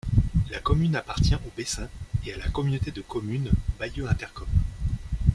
La commune appartient au Bessin et à la communauté de communes Bayeux Intercom.